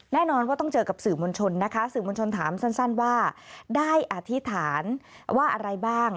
แน่นอนว่าต้องเจอกับสื่อมวลชนนะคะสื่อมวลชนถามสั้นว่าได้อธิษฐานว่าอะไรบ้าง